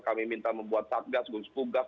kami minta membuat tatgas gunspugas